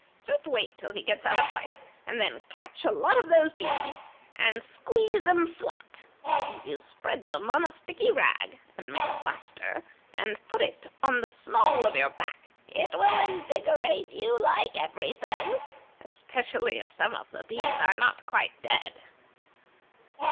Just wait till he gets out of sight, and then catch a lot of those bees, and squeeze them flat. If you spread them on a sticky rag, and make a plaster, and put it on the small of your back, it will invigorate you like every thing, especially if some of the bees are not quite dead."